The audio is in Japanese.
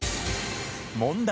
問題。